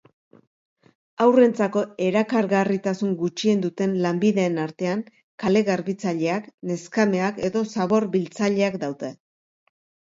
Haurrentzako erakargarritasun gutxien duten lanbideen artean kale-garbitzaileak, neskameak edo zabor-biltzaileak daude.